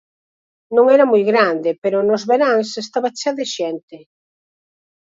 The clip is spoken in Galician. Non era moi grande, pero nos veráns estaba chea de xente.